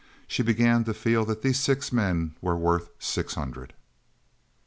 She began to feel that these six men were worth six hundred.